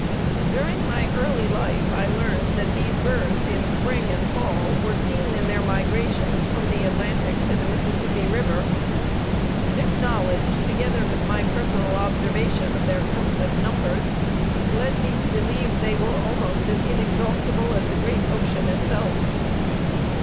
During my early life I learned that these birds in spring and fall were seen in their migrations from the Atlantic to the Mississippi River. This knowledge, together with my personal observation of their countless numbers, led me to believe they were almost as inexhaustible as the great ocean itself.